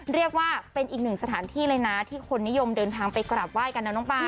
เรียกว่าเป็นอีกหนึ่งสถานที่เลยนะที่คนนิยมเดินทางไปกราบไห้กันนะน้องป่า